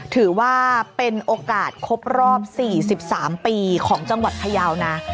ถือว่าเป็นโอกาสครบรอบ๔๓ปีของจังหวัดพยาวนะ